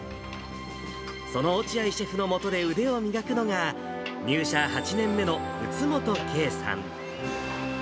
その落合シェフの下で、腕を磨くのが、入社８年目の宇津本けいさん。